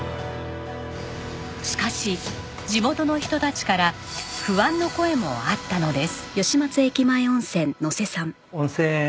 しかし地元の人たちから不安の声もあったのです。